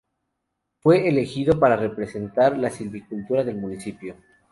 Fue elegido para representar la silvicultura del municipio.